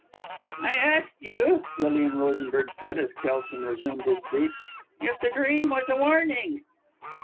"I asked you," Lilian Rosenberg said, as Kelson resumed his seat, "if the dream was a warning?"